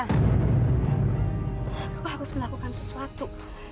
aku harus melakukan sesuatu